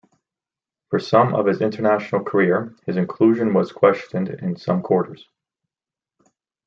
For some of his international career, his inclusion was questioned in some quarters.